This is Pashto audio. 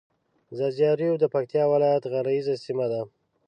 ځاځي اريوب د پکتيا ولايت غرييزه سيمه ده.